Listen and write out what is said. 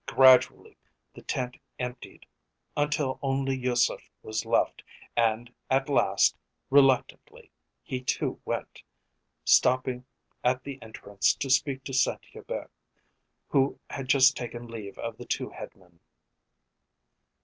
Gradually the tent emptied until only Yusef was left, and at last, reluctantly, he too went, stopping at the entrance to speak to Saint Hubert, who had just taken leave of the two headmen.